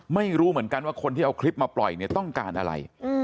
ไม่รู้เหมือนกันว่าคนที่เอาคลิปมาปล่อยเนี่ยต้องการอะไร